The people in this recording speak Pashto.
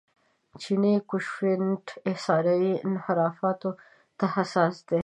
جیني کویفشینټ احصایوي انحرافاتو ته حساس دی.